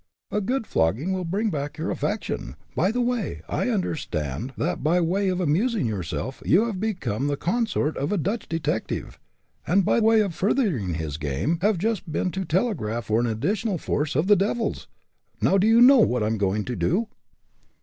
"A good flogging will bring back your affection. By the way, I understand that by way of amusing yourself you have become the consort of a Dutch detective, and by way of furthering his game, have just been to telegraph for an additional force of the devils. Now do you know what I am going to do?"